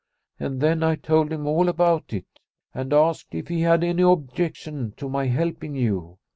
And then I told him all about it, and asked if he had any objec tion to my helping you.